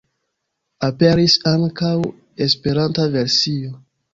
Aperis ankaŭ esperanta versio.